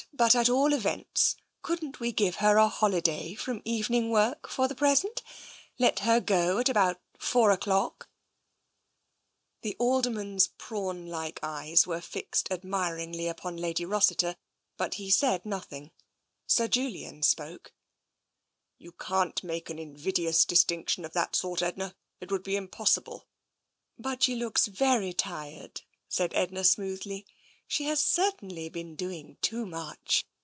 But at all events, couldn't we give her a holiday from evening work for the pres ent ? Let her go at about four o'clock ?" The Alderman's prawn like eyes were fixed admir ingly upon Lady Rossiter, but he said nothing. Sir Julian spoke. " You can't make an invidious distinction of that sort, Edna. It would be impossible." " But she looks very tired," said Edna smoothly. " She has certainly been doing too much.